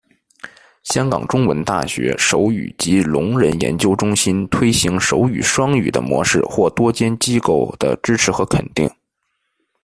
香港中文大学手语及聋人研究中心推行手语双语的模式获多间机构的支持和肯定。